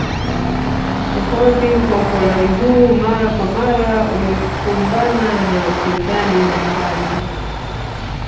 Kuhodhi kwa ukoloni huu mara kwa mara ulikumbana na upinzani mbalimbali